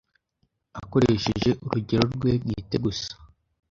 Akoresheje urugero rwe bwite gusa